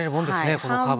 このカーブに。